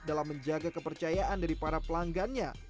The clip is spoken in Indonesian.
dalam menjaga kepercayaan dari para pelanggannya